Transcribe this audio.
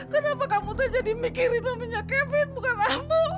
kenapa kamu tuh jadi mikirin mami nya kevin bukan ambu